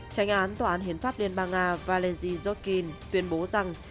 tránh án tòa án hiến pháp liên bang nga valery zhukin tuyên bố rằng